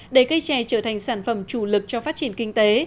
để cây trè trở thành sản phẩm chủ lực cho phát triển kinh tế